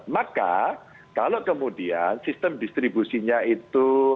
maka kalau kemudian sistem distribusinya itu